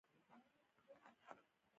د غور غنم للمي حاصل ورکوي.